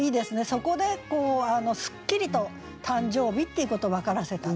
そこでこうすっきりと誕生日っていうことを分からせた。